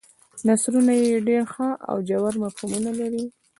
نثرونه یې ډېر ښه او ژور مفهومونه لري.